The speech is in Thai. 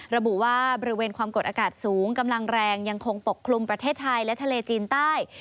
ระบุว่าบริเวณความกดอากาศสูงกำลังแรงยังคงปกคลุมประเทศไทยและทะเลจีนใต้